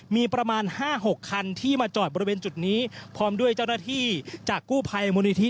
มีประมาณ๕๖คันที่มาจอดบริเวณจุดนี้พร้อมด้วยเจ้าหน้าที่จากกู้ภัยมูลนิธิ